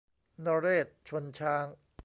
นเรศวร์ชนช้าง